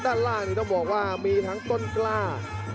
ด้านล่างนี้ต้องบอกว่ามีทั้งต้นกล้า